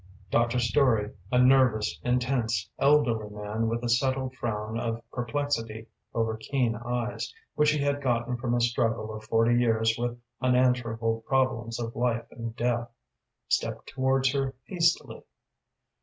Dr. Story, a nervous, intense, elderly man with a settled frown of perplexity over keen eyes, which he had gotten from a struggle of forty years with unanswerable problems of life and death, stepped towards her hastily.